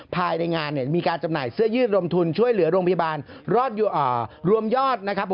ภายในงานเนี่ยมีการจำหน่ายเสื้อยืดรมทุนช่วยเหลือโรงพยาบาลรวมยอดนะครับ